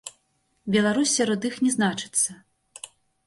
Беларусь сярод іх не значыцца.